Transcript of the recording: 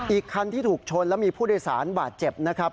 อีกคันที่ถูกชนแล้วมีผู้โดยสารบาดเจ็บนะครับ